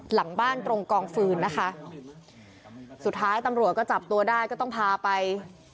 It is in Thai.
หลังบ้านตรงกองฟืนนะคะสุดท้ายตำรวจก็จับตัวได้ก็ต้องพาไป